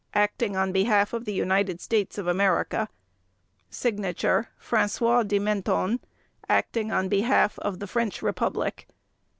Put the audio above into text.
Acting on Behalf of the United States of America. /s/ FRANÇOIS DE MENTHON. _Acting on Behalf of the French Republic.